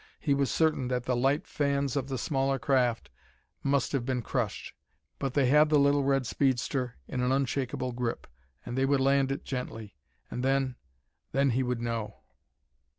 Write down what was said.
He was certain that the light fans of the smaller craft must have been crushed; but they had the little red speedster in an unshakable grip; and they would land it gently. And then then he would know!